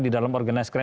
di dalam organis krim